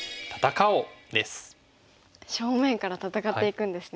正面から戦っていくんですね。